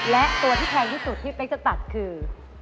และตัวที่แพงที่สุดที่เป๊กจะตัดคือ